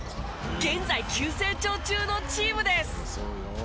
現在、急成長中のチームです。